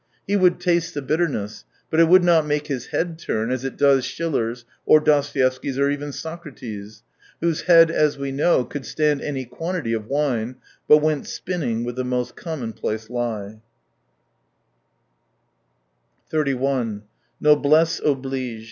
He would taste the bitterness, but it would not make his head turn, as it does Schiller's, or Dostoevsky's, or even Socrates', whose head, as we know, could stand any quantity of wine, but went spinning with the most commonplace lie. Noblesse Oblige.